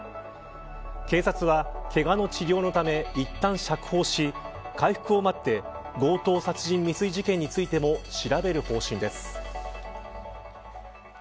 警察はけがの治療のためいったん釈放し、回復を待って強盗殺人未遂事件についても調べる方針です。